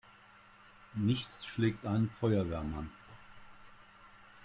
Nichts schlägt einen Feuerwehrmann!